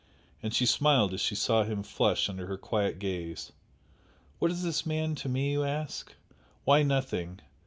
And she smiled as she saw him flush under her quiet gaze "What is this man to me, you ask? Why nothing!